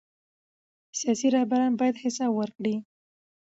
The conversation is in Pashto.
سیاسي رهبران باید حساب ورکړي